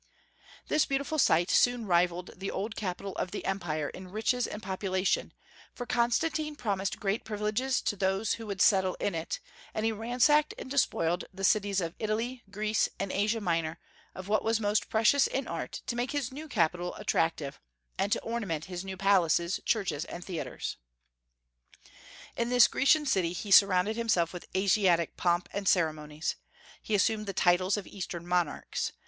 This beautiful site soon rivalled the old capital of the Empire in riches and population, for Constantine promised great privileges to those who would settle in it; and he ransacked and despoiled the cities of Italy, Greece, and Asia Minor of what was most precious in Art to make his new capital attractive, and to ornament his new palaces, churches, and theatres. In this Grecian city he surrounded himself with Asiatic pomp and ceremonies. He assumed the titles of Eastern monarchs.